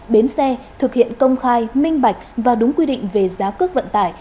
bến xe thực hiện công khai minh bạch và đúng quy định về giá cước vận tải